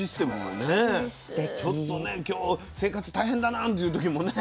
ちょっとね今日生活大変だなっていう時もね